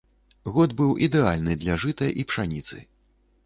Год быў ідэальны для жыта і пшаніцы.